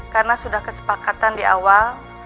karena sudah kesepakatan di awal